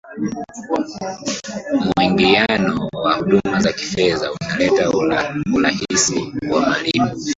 muingiliano wa huduma za kifedha unaleta urahisi wa malipo